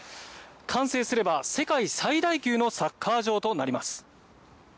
完成すれば世界最大級のサッカー場となります。